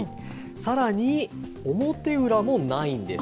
さらに表裏もないんです。